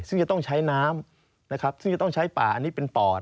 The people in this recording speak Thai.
ซึ่งจะต้องใช้น้ำนะครับซึ่งจะต้องใช้ป่าอันนี้เป็นปอด